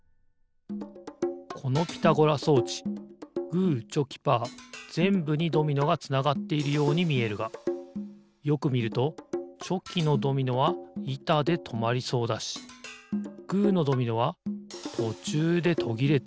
このピタゴラ装置グーチョキパーぜんぶにドミノがつながっているようにみえるがよくみるとチョキのドミノはいたでとまりそうだしグーのドミノはとちゅうでとぎれている。